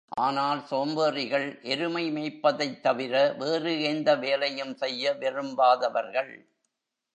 ஆனால் சோம்பேறிகள், எருமை மேய்ப்பதைத் தவிர, வேறு எந்த வேலையும் செய்ய விரும்பாதவர்கள்.